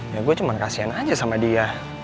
ya gue cuma kasihan aja sama dia